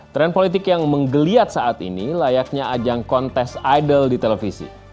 tren politik yang menggeliat saat ini layaknya ajang kontes idol di televisi